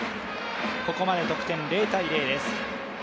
ここまで得点０−０です。